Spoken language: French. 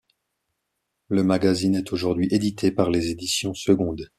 Le magazine est aujourd'hui édité par Les Éditions Secondes.